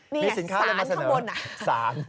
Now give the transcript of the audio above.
มีสินค้าอะไรมาเสนอสารค่ะสาร